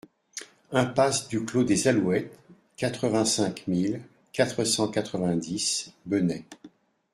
Impasse du Clos des Alouettes, quatre-vingt-cinq mille quatre cent quatre-vingt-dix Benet